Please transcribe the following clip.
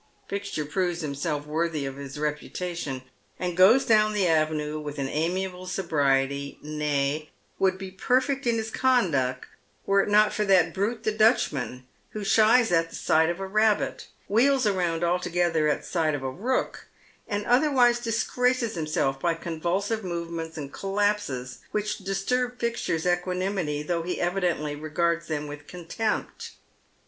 Fixture proves himself worthy of his reputation, and goes down the avenue with amiable sobriety, nay, would be perfect in his conduct were it not for that brute the Dutchman, who shies at sight of a rabbit, wheels round altogether at sight of a rook, and otherwise disgraxies himself by convulsive movements and collapses which disturb Fixture's equanimity, though he evidently regards them with contempt.